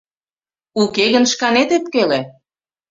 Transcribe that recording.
Уке гын шканет ӧпкеле.